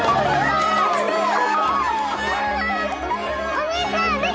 お兄さん。